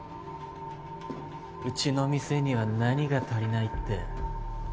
うちの店には何が足りないって？